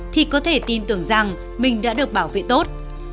thì có thể tin tưởng rằng mình đã được bảo vệ tốt